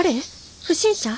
不審者！？